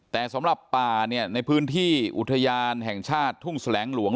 แต่สำหรับป่าเนี่ยในพื้นที่อุทยานแห่งชาติทุ่งแสลงหลวง